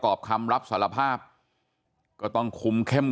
ครอบครัวญาติพี่น้องเขาก็โกรธแค้นมาทำแผนนะฮะ